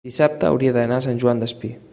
dissabte hauria d'anar a Sant Joan Despí.